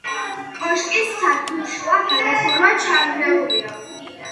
კოშკის სართულშუა გადახურვა ჩანგრეულია.